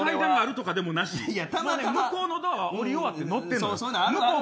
向こうのドアは乗り終わって乗ってる。